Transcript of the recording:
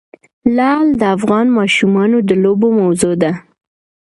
لعل د افغان ماشومانو د لوبو موضوع ده.